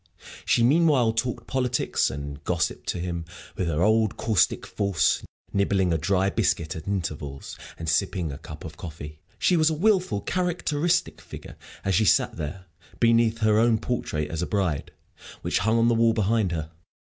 She meanwhile talked politics and gossip to him, with her old, caustic force, nibbling a dry biscuit at intervals and sipping a cup of coffee. She was a wilful, characteristic figure as she sat there, beneath her own portrait as a bride, which hung on the wall behind her.